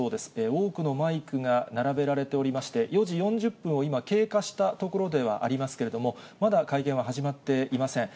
多くのマイクが並べられておりまして、４時４０分を今、経過したところではありますけれども、まだ会見は始まっていません。